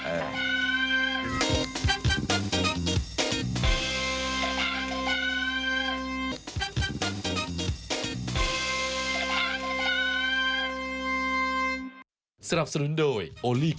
มีสายตรงมาที่นี่ค่ะ